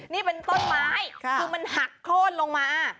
นี่เป็นต้นไม้คือมันหักโค้นลงมา